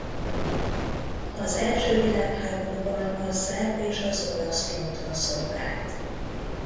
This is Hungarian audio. Az első világháborúban a szerb és az olasz fronton szolgált.